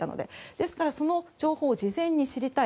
ですからその情報を事前に知りたい。